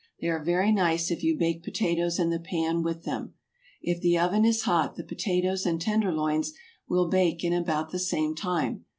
They are very nice if you bake potatoes in the pan with them. If the oven is hot the potatoes and tenderloins will bake in about the same time.